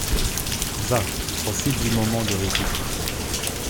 Va ! profite du moment de répit !